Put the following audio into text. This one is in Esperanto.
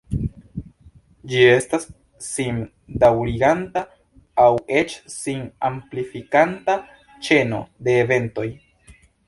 Ĝi estas sim-daŭriganta aŭ eĉ sin-amplifikanta ĉeno de eventoj.